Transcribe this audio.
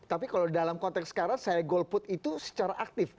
tapi kalau dalam konteks sekarang saya golput itu secara aktif